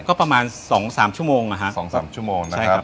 ก็ประมาณ๒๓ชั่วโมงนะครับ